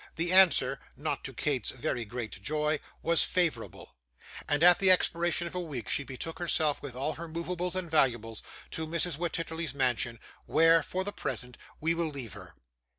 The answer not to Kate's very great joy was favourable; and at the expiration of a week she betook herself, with all her movables and valuables, to Mrs. Wititterly's mansion, where for the present we will leave her.